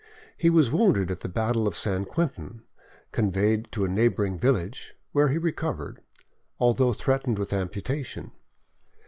He was wounded at the battle of St. Quentin, conveyed to a neighbouring village, where he recovered, although threatened with amputation.